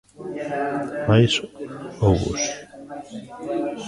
Mais hóuboos.